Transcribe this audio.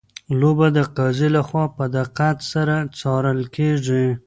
لوبه د قاضي لخوا په دقت سره څارل کیږي.